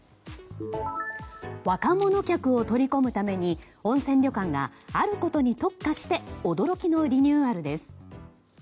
若者客を取り込むために温泉旅館があることに特化して驚きのリニューアルです。